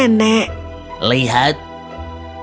lihat dia akan sangat kecewa jika kau tidak menemukan nenekmu